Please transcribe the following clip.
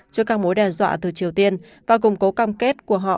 trước các mối đe dọa từ triều tiên và củng cố cam kết của họ